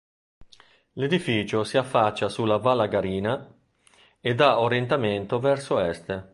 L'edificio si affaccia sulla Vallagarina ed ha orientamento verso est.